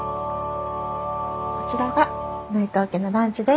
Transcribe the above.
こちらが内藤家のランチです。